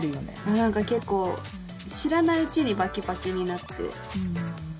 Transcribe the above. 何か結構知らないうちにバキバキになって。